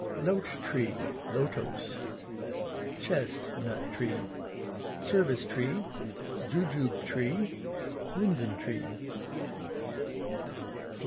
Lote tree, lotos Chest nut tree Service tree Jujube tree Linden tree.